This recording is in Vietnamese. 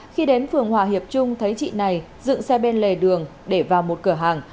khi đến phường hòa hiệp trung thấy chị này dựng xe bên lề đường để vào một cửa hàng